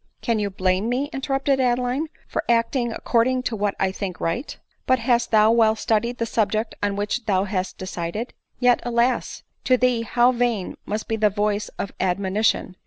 " Can you blame me," interrupted Adeline, " for act ing according to what I think right ?"" But hast thou well studied the subject on which thou hast decided? Yet, alas! to thee how vain must be the voice of admonition!